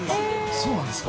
そうなんですか？